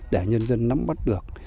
để nhân dân nắm mắt được